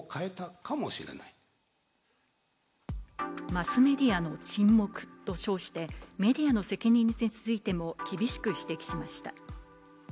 マスメディアの沈黙と称して、メディアの責任についても厳しく指摘しました。